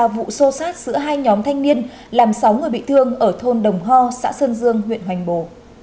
và hai nhóm thanh niên làm sáu người bị thương ở thôn đồng ho xã sơn dương huyện hoành bồ